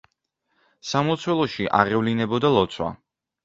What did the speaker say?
სამლოცველოში აღევლინებოდა ლოცვა.